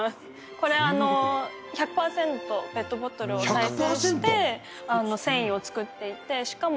これ１００パーセントペットボトルを再生して繊維を作っていてしかも。